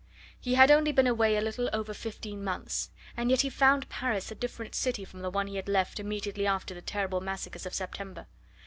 He had only been away a little over fifteen months, and yet he found Paris a different city from the one he had left immediately after the terrible massacres of September.